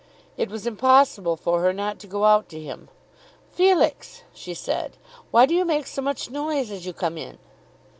It was impossible for her not to go out to him. "Felix," she said, "why do you make so much noise as you come in?"